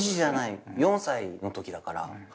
４歳のときだから。